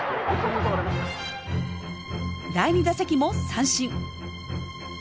第２打席も三振。